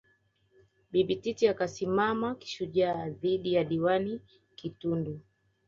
Bibi Titi akasimama kishujaa dhidi ya Diwani Kitundu